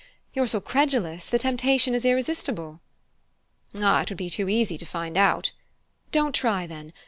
You're so credulous the temptation is irresistible." "Ah, it would be too easy to find out " "Don't try, then!